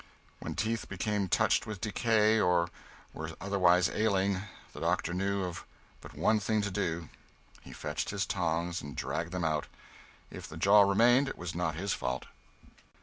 When teeth became touched with decay or were otherwise ailing, the doctor knew of but one thing to do: he fetched his tongs and dragged them out. If the jaw remained, it was not his fault.